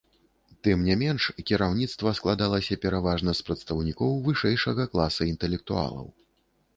Тым не менш, кіраўніцтва складалася пераважна з прадстаўнікоў вышэйшага класа інтэлектуалаў.